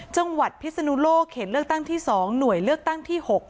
พิศนุโลกเขตเลือกตั้งที่๒หน่วยเลือกตั้งที่๖